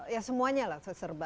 ya semuanya lah